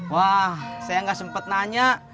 wah saya gak sempet nanya